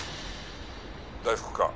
「大福か？」